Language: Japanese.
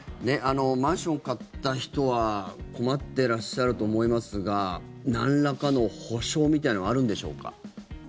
マンションを買った人は困ってらっしゃると思いますがなんらかの補償みたいなのはあるんでしょうか？